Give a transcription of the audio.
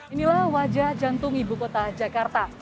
inilah wajah jantung ibu kota jakarta